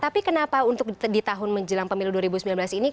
tapi kenapa untuk di tahun menjelang pemilu dua ribu sembilan belas ini